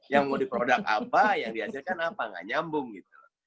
yang mau diproduk apa yang dihasilkan apa nggak nyambung gitu